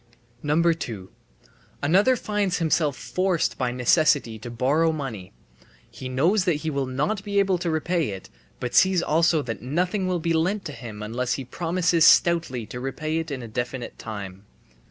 2. Another finds himself forced by necessity to borrow money. He knows that he will not be able to repay it, but sees also that nothing will be lent to him unless he promises stoutly to repay it in a definite time.